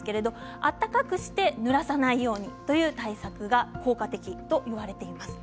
温かくしてぬらさないようにという対策が効果的といわれています。